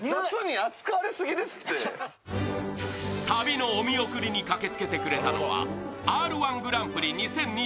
旅のお見送りに駆けつけてくれたのはＲ−１グランプリ２０２２年